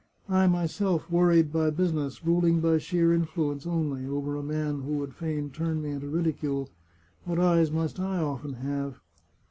I myself, worried by business, ruling by sheer influence only, over a man who would fain turn me into ridicule — what eyes must I often have